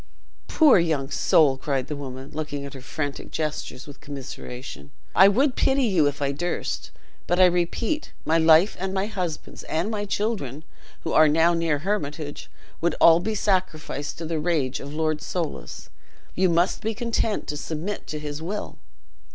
"Poor young soul!" cried the woman, looking at her frantic gestures with commiseration; "I would pity you if I durst; but I repeat, my life, and my husband's, and my children, who are now near Hermitage, would all be sacrificed to the rage of Lord Soulis. You must be content to submit to his will."